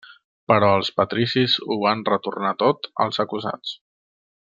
Però els patricis ho van retornar tot als acusats.